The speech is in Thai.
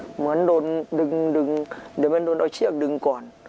เหมือนโดนดึงเดี๋ยวมันโดนเอาเชือกดึงก่อน